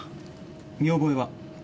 見覚えは？